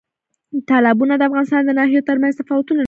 تالابونه د افغانستان د ناحیو ترمنځ تفاوتونه رامنځ ته کوي.